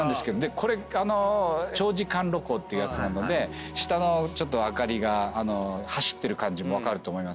これ長時間露光っていうやつなので下の灯りが走ってる感じも分かると思いますけど。